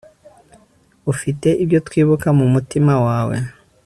ufite ibyo twibuka mu mutima wawe